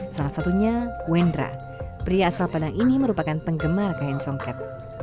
salah satunya wendra pria asal padang ini merupakan penggemar kain songket